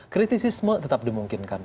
kritisisme tetap dimungkinkan